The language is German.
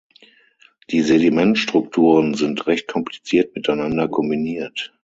Die Sedimentstrukturen sind recht kompliziert miteinander kombiniert.